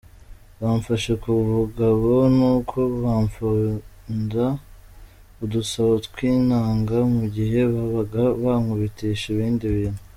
"Bamfashe ku bugabo nuko bapfyonda udusabo tw'intanga mu gihe babaga bankubitisha ibindi bintu.